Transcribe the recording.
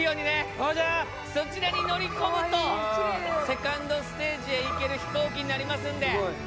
そちらに乗り込むとセカンドステージへ行ける飛行機になりますんで。